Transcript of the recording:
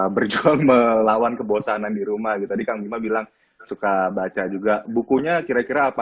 berjuang melawan kebosanan di rumah gitu tadi kang bima bilang suka baca juga bukunya kira kira apa